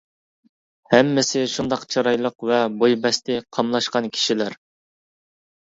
ھەممىسى شۇنداق چىرايلىق ۋە بوي-بەستى قاملاشقان كىشىلەر.